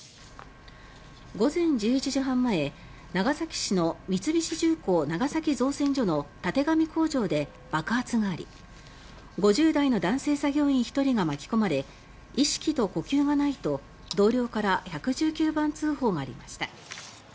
午前１１時半前、長崎市の三菱重工長崎造船所の立神工場で爆発があり５０代の男性作業員１人が巻き込まれ意識と呼吸がないと、同僚から１１９番通報がありました。